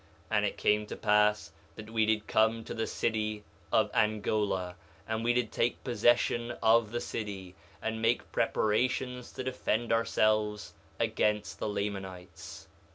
2:4 And it came to pass that we did come to the city of Angola, and we did take possession of the city, and make preparations to defend ourselves against the Lamanites.